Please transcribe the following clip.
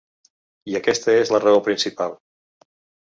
I aquesta és la raó principal.